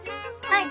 はい！